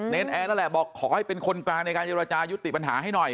แอร์นั่นแหละบอกขอให้เป็นคนกลางในการเจรจายุติปัญหาให้หน่อย